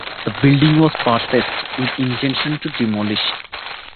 The building was purchased with intention to demolish.